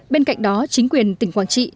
bên cạnh đó chính quyền tỉnh quảng trị